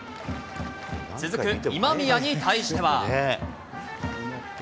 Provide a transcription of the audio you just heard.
続く今宮に対しては。